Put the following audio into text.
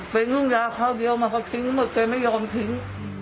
เป็นหุ้นยาคราวเดียวมันคือทิ้งมันเคยไม่ยอมทิ้ง